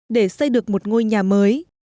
để xây được một ngôi nhà mới